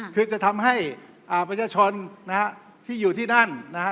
คือจะทำให้ประชาชนนะฮะที่อยู่ที่นั่นนะฮะ